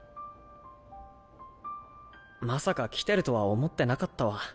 まさか来てるとは思ってなかったわ。